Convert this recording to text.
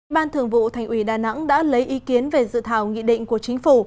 ban thường vụ thành ủy đà nẵng đã lấy ý kiến về dự thảo nghị định của chính phủ